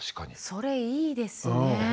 それいいですね。